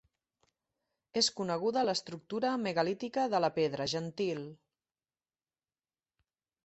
És coneguda l'estructura megalítica de la Pedra Gentil.